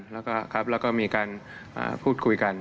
แล้วก็มีการพูดคุยกัน